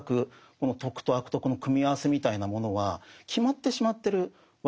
この「徳」と「悪徳」の組み合わせみたいなものは決まってしまってるわけですね。